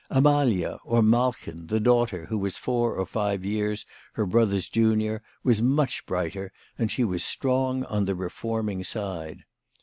Amalia, or Malchen, the daughter, who was four or five years her brother's junior, was much brighter, and she was strong on the reforming side.